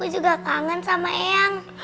aku juga kangen sama eyang